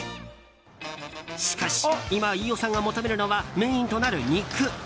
しかし今、飯尾さんが求めるのはメインとなる肉。